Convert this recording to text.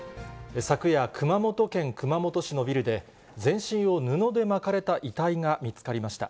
昨夜、熊本県熊本市のビルで、全身を布で巻かれた遺体が見つかりました。